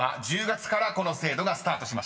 １０月からこの制度がスタートしました］